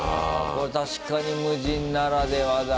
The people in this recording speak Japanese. これ確かに無人ならではだ。